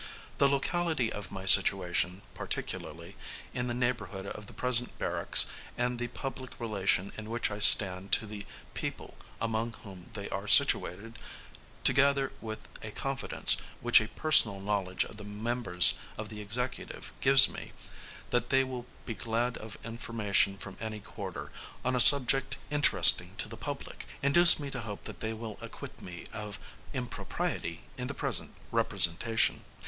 The locality of my situation, particularly, in the neighborhood of the present barracks, and the public relation in which I stand to the people among whom they are situated, together with a confidence, which a personal knowledge of the members of the Executive gives me, that they Will be glad of information from any quarter, on a subject interesting to the public, induce me to hope that they will acquit me of impropriety in the present representation.